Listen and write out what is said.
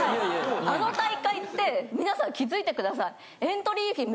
あの大会って皆さん気づいてください。